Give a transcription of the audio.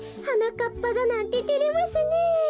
はなかっぱざなんててれますねえ。